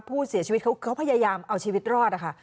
ผู้เสียชีวิตเขาพยายามเอาชีวิตรอดนะคะ